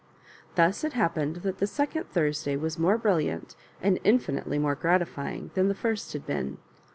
Thus it happened that the second Thursday was more briiliant and uafinitely more gratifying than the first had been.